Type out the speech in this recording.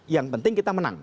yang penting kita menang